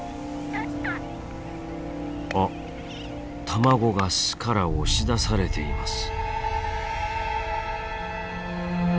あ卵が巣から押し出されています。